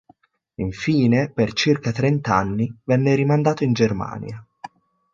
Infine per circa trent’anni venne rimandato in Germania.